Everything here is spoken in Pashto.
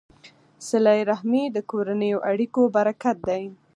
صله رحمي د کورنیو اړیکو برکت دی.